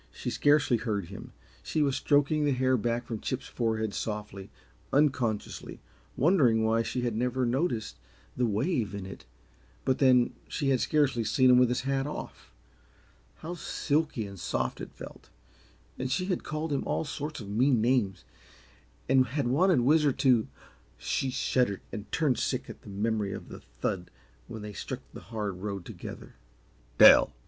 She scarcely heard him. She was stroking the hair back from Chip's forehead softly, unconsciously, wondering why she had never before noticed the wave in it but then, she had scarcely seen him with his hat off. How silky and soft it felt! And she had called him all sorts of mean names, and had wanted Whizzer to she shuddered and turned sick at the memory of the thud when they struck the hard road together. "Dell!"